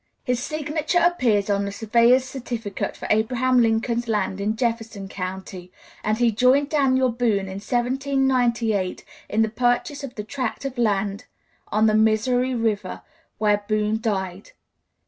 His signature appears on the surveyor's certificate for Abraham Lincoln's land in Jefferson County, and he joined Daniel Boone in 1798 in the purchase of the tract of land on the Missouri River where Boone died.